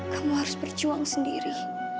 kamu harus berjuang sendiri